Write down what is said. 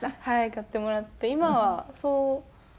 買ってもらって今はねっ。